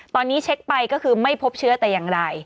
ตอนนี้เช็คไปก็คือไม่พบเชื้อแต่อย่างใด